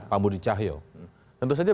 pak budi cahyo tentu saja